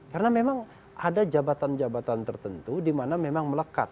karena memang ada jabatan jabatan tertentu di mana memang melekat